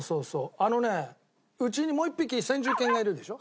あのねうちにもう一匹先住犬がいるでしょ。